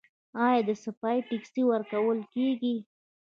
آیا د صفايي ټکس ورکول کیږي؟